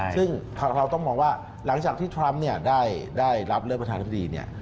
ซึ่งเราต้องมองว่าหลังจากที่ทรัมป์ได้รับเลือกประธานธิบดีเนี่ย